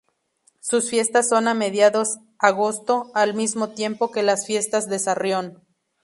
Sus fiestas son a mediados agosto; al mismo tiempo que las fiestas de Sarrión.